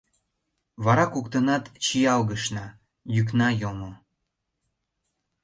— Вара коктынат чиялгышна: йӱкна йомо.